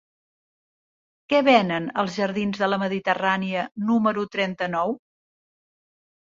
Què venen als jardins de la Mediterrània número trenta-nou?